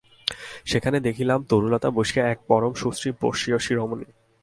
সেখানে দেখিলাম, তরুতলে বসিয়া এক পরম সুশ্রী বর্ষীয়সী রমণী।